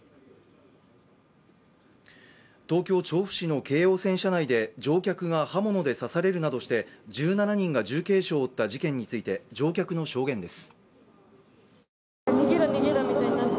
東京・調布市の京王線車内で乗客が刃物で刺されるなどして１７人が重軽傷を負った事件について乗客の証言です。